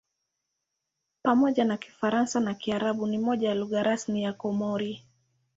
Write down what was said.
Pamoja na Kifaransa na Kiarabu ni moja ya lugha rasmi ya Komori.